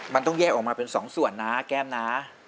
มันต้องแยกออกมาเป็น๒ส่วนนะแก้มนะ